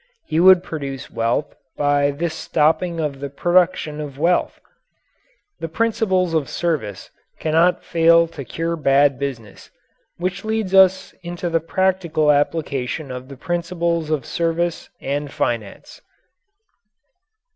He would produce wealth by this stopping of the production of wealth. The principles of service cannot fail to cure bad business. Which leads us into the practical application of the principles of service and finance.